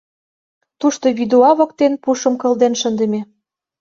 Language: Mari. Тушто вӱдуа воктен пушым кылден шындыме.